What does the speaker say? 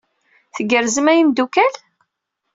Tgerrzem a imeddukal?